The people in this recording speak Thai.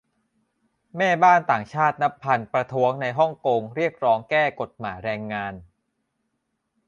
แม่บ้านต่างชาตินับพันประท้วงในฮ่องกงเรียกร้องแก้ กฎหมายแรงงาน